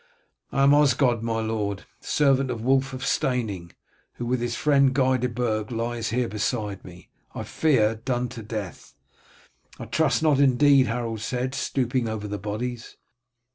"I am Osgod, my lord, the servant of Wulf of Steyning, who with his friend, Guy de Burg, lies here beside me, I fear done to death." "I trust not, indeed," Harold said, stooping over the bodies.